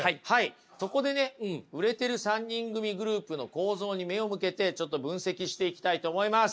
そこでね売れてる３人組グループの構造に目を向けてちょっと分析していきたいと思います。